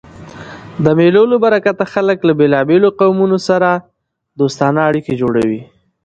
د مېلو له برکته خلک له بېلابېلو قومو سره دوستانه اړیکي جوړوي.